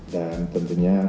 dan tentunya kendaraan